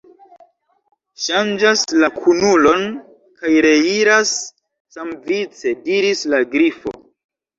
"Ŝanĝas la kunulon kaj reiras samvice," diris la Grifo.